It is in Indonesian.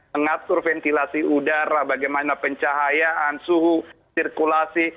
mengatur ventilasi udara bagaimana pencahayaan suhu sirkulasi